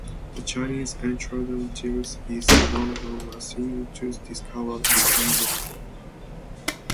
The Chinese "Entelodon dirus" is known from a single tooth discovered in Nei Mongol.